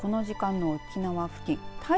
この時間の沖縄付近